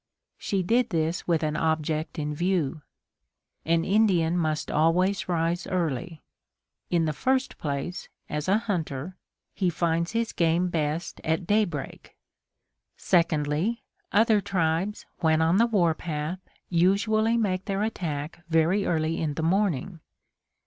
She did this with an object in view. An Indian must always rise early. In the first place, as a hunter, he finds his game best at daybreak. Secondly, other tribes, when on the war path, usually make their attack very early in the morning.